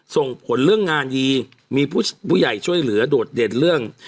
ส่งผลเรื่องงานดีมีผู้ใหญ่ช่วยเหลือโดดเด่นเรื่อง